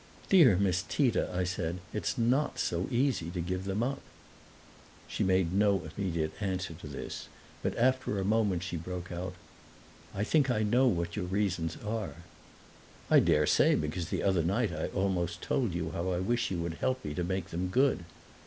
"Dear Miss Tita," I said, "it's not so easy to give them up!" She made no immediate answer to this, but after a moment she broke out: "I think I know what your reasons are!" "I daresay, because the other night I almost told you how I wish you would help me to make them good."